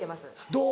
どう？